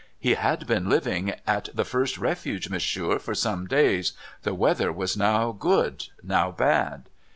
' He had been living at the first Refuge, monsieur, for some days. The weather was now good, now bad.'